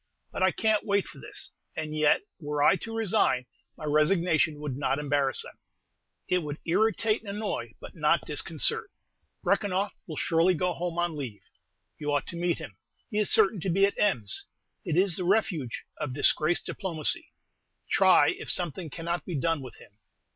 But I can't wait for this; and yet, were I to resign, my resignation would not embarrass them, it would irritate and annoy, but not disconcert. Brekenoff will surely go home on leave. You ought to meet him; he is certain to be at Ems. It is the refuge of disgraced diplomacy. Try if something cannot be done with him.